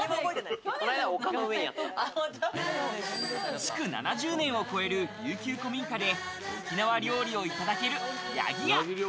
築７０年を超える琉球古民家で、沖縄料理をいただける屋宜家。